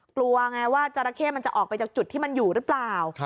กลัวไงว่าจราเข้มันจะออกไปจากจุดที่มันอยู่หรือเปล่า